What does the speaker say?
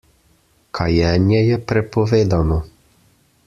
Kajenje je prepovedano.